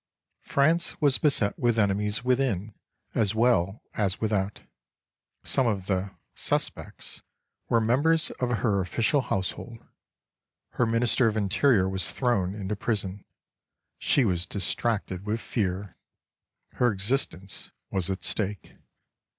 France was beset with enemies within as well as without. Some of the "suspects" were members of her official household. Her Minister of Interior was thrown into prison. She was distracted with fear. Her existence was at stake.